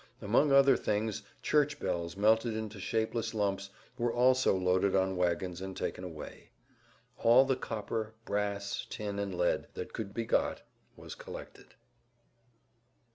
Among other things church bells melted into shapeless lumps were also loaded on wagons and taken away. All the copper, brass, tin, and lead that could be got was collected.